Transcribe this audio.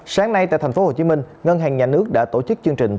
sáng nay tại thành phố hồ chí minh ngân hàng nhà nước đã tổ chức chương trình